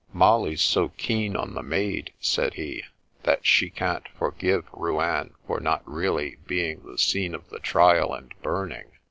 " Molly's so keen on the Maid," said he, " that she can't forgive Rouen for not really being the scene of the trial and burning.